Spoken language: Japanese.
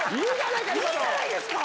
いいじゃないですか。